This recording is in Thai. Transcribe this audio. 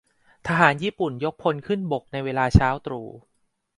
ทหารญี่ปุ่นยกพลขึ้นบกในเวลาเช้าตรู่